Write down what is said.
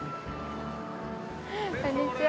こんにちは。